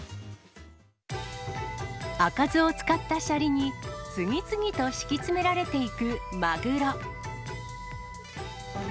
赤酢を使ったシャリに、次々と敷き詰められていくマグロ。